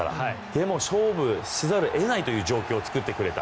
でも、勝負せざるを得ないという状況を作ってくれた。